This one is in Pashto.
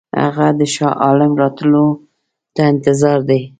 هغه د شاه عالم راتلو ته انتظار دی.